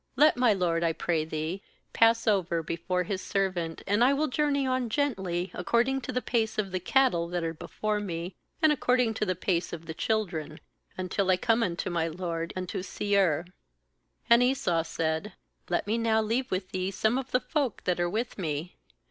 14Let my lord, I pray thee, pass over before his servant; and I will journey on gently, according to the pace of the cattle that are before me and according to the pace of the children, until I come unto my lord unto Seir.' 15And Esau said: 'Let me now leave with thee some of the folk that are with me.'